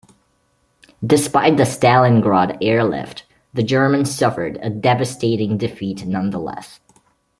Despite the Stalingrad airlift, the Germans suffered a devastating defeat nonetheless.